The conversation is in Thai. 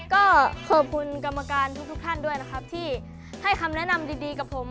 ก็ขอบคุณกรรมการทุกท่านด้วยนะครับที่ให้คำแนะนำดีกับผม